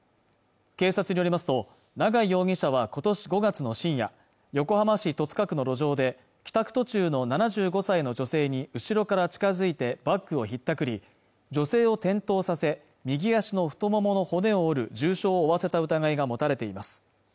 警察によりますと永井容疑者は今年５月の深夜横浜市戸塚区の路上で帰宅途中の７５歳の女性に後ろから近付いてバッグをひったくり女性を転倒させ右足の太ももの骨を折る重傷を負わせた疑いが持たれています